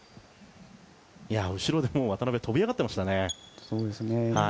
後ろで渡邊飛び上がっていましたね。